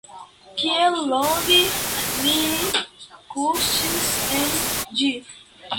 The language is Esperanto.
Kiel longe li kuŝis en ĝi?